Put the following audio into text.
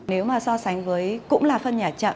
nếu mà so sánh với cũng là phân nhả chậm